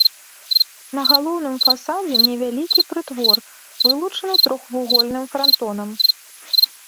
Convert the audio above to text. На галоўным фасадзе невялікі прытвор, вылучаны трохвугольным франтонам.